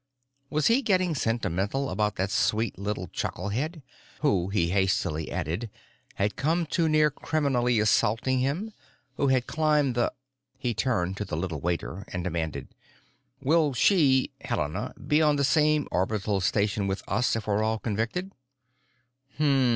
Was he getting sentimental about that sweet little chucklehead? Who, he hastily added, had come near to criminally assaulting him, who had climbed the.... He turned to the little waiter and demanded: "Will she—Helena—be on the orbital station with us if we're all convicted?"